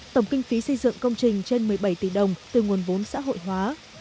tổng kinh phí xây dựng công trình trên một mươi bảy tỷ đồng từ nguồn vốn xã hội hóa